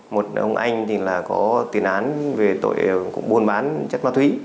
một ông anh thì là có tiền án về tội buôn bán chất ma túy